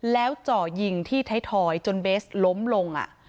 แล้วเจาะยิงที่จะไถ้ถอยจนเบสหล้มลงอ่ะ